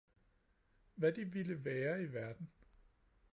Hvad de ville være i verden